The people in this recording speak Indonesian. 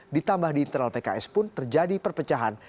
ditambah di internal pks pun terjadi perpecahan